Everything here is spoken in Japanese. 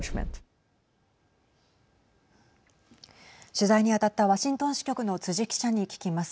取材に当たったワシントン支局の辻記者に聞きます。